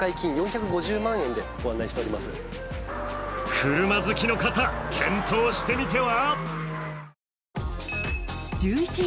車好きの方、検討してみては？